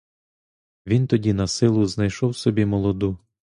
Він тоді насилу знайшов собі молоду.